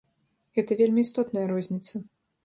Гэта вельмі істотная розніца.